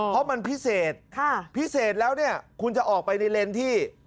เพราะมันพิเศษพิเศษแล้วเนี่ยคุณจะออกไปในเลนส์ที่